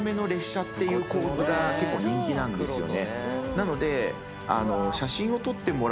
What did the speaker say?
なので。